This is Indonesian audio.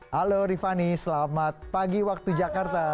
halo rifany selamat pagi waktu jakarta